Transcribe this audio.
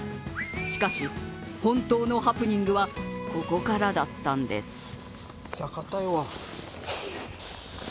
しかし、本当のハプニングはここからだったんです。